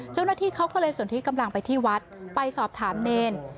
เจ้าหน้าที่เขาก็เลยสนที่กำลังไปที่วัดไปสอบถามเนร